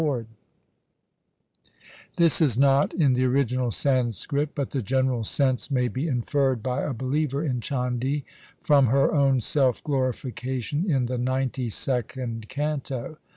LIFE OF GURU GOBIND SINGH 81 This is not in the original Sanskrit, but the general sense may be inferred by a believer in Chandi from her own self glorification in the ninety second canto.